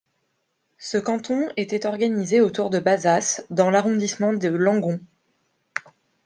Ce canton était organisé autour de Bazas, dans l'arrondissement de Langon.